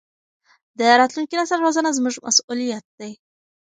د راتلونکي نسل روزنه زموږ مسؤلیت دی.